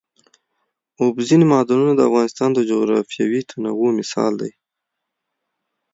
اوبزین معدنونه د افغانستان د جغرافیوي تنوع مثال دی.